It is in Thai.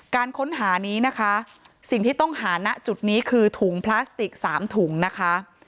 การค้นหานี้นะคะสิ่งที่ต้องหาณจุดนี้คือถุงพลาสติก๓ถุงนะคะ